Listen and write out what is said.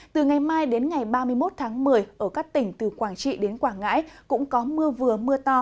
từ ngày mai đến ngày ba mươi một tháng một mươi ở các tỉnh từ quảng trị đến quảng ngãi cũng có mưa vừa mưa to